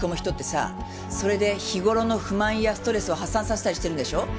それで日頃の不満やストレスを発散させたりしてるんでしょ？